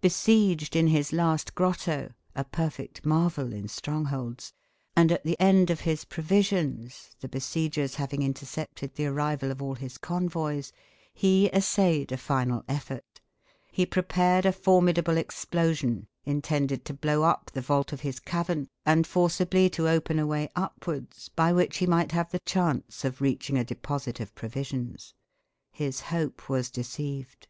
Besieged in his last grotto a perfect marvel in strongholds and at the end of his provisions, the besiegers having intercepted the arrival of all his convoys, he essayed a final effort: he prepared a formidable explosion intended to blow up the vault of his cavern, and forcibly to open a way upwards by which he might have the chance of reaching a deposit of provisions. His hope was deceived.